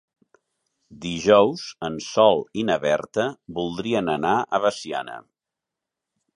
Dijous en Sol i na Berta voldrien anar a Veciana.